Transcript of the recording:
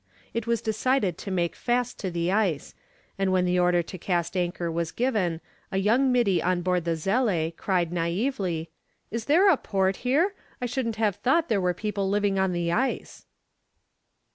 It was decided to make fast to the ice, and when the order to cast anchor was given a young middy on board the Zelée cried naively, "Is there a port here? I shouldn't have thought there were people living on the ice."